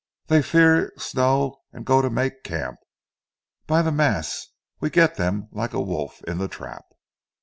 "Dey fear zee snow, an' go to make camp. By zee mass, we get dem like a wolf in zee trap!"